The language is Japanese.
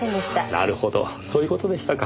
なるほどそういう事でしたか。